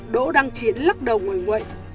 đỗ đăng chiến lắc đầu ngồi nguệnh